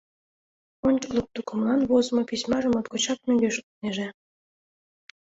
Ончыклык тукымлан возымо письмажым моткочак мӧҥгеш лукнеже.